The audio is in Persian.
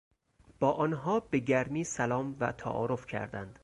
با آنها به گرمی سلام و تعارف کردند.